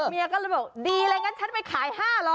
เมียก็เลยบอกดีเลยงั้นฉันไปขาย๕๐๐